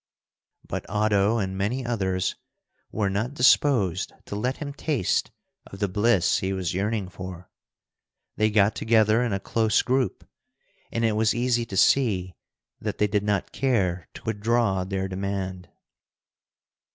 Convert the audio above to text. But Oddo and many others were not disposed to let him taste of the bliss he was yearning for. They got together in a close group and it was easy to see that they did not care to withdraw their demand.